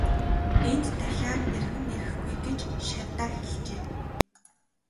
Энд дахиад эргэн ирэхгүй гэж шавьдаа хэлжээ.